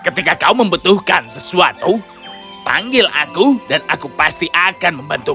ketika kau membutuhkan sesuatu panggil aku dan aku pasti akan membantu